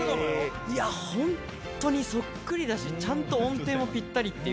ホントにそっくりだしちゃんと音程もぴったりという。